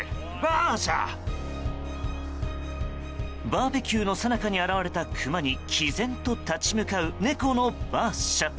バーベキューのさなかに現れたクマに毅然と立ち向かう猫のバーシャ。